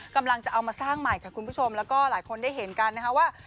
กำลังจะเอามาสร้างใหม่ค่ะคุณผู้ชมแล้วก็หลายคนได้เห็นกันนะคะว่า